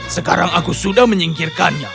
sekarang aku sudah menyingkirkannya